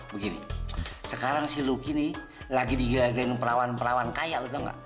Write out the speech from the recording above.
begini sekarang si luki nih lagi digagalin perawan perawan kaya lu tau gak